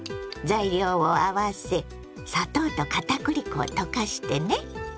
材料を合わせ砂糖とかたくり粉を溶かしてね。